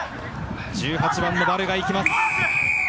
１８番のヴァルが行きます。